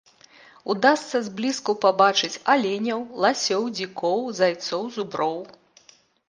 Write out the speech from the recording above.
Удасца зблізку пабачыць аленяў, ласёў, дзікоў, зайцоў, зуброў.